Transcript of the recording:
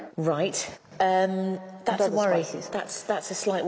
はい。